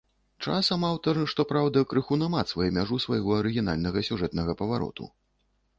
Часам аўтар, што праўда, крыху намацвае мяжу свайго арыгінальнага сюжэтнага павароту.